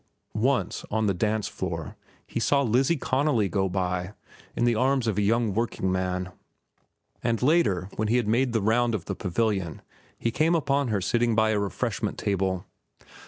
Once, on the dancing floor, he saw Lizzie Connolly go by in the arms of a young workingman; and, later, when he made the round of the pavilion, he came upon her sitting by a refreshment table.